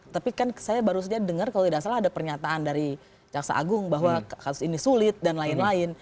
tapi kan saya baru saja dengar kalau tidak salah ada pernyataan dari caksa agung bahwa kasus ini sulit dan lain lain